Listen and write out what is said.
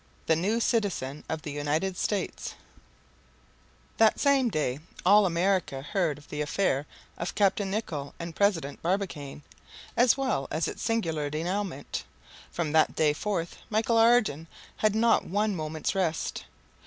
THE NEW CITIZEN OF THE UNITED STATES That same day all America heard of the affair of Captain Nicholl and President Barbicane, as well as its singular denouement. From that day forth, Michel Ardan had not one moment's rest.